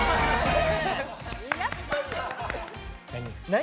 「何？」